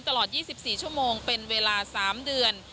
ตลอดยี่สิบสี่ชั่วโมงเป็นเวลาสามเดือน